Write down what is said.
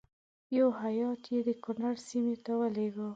یو هیات یې د کنړ سیمې ته ولېږه.